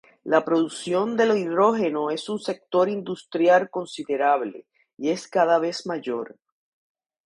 La producción del hidrógeno es un sector industrial considerable, y es cada vez mayor.